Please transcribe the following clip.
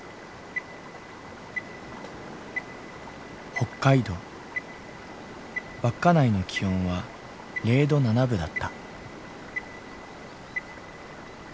北海道稚内の気温は０度７分だった。